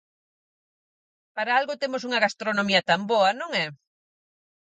Para algo temos unha gastronomía tan boa, non é?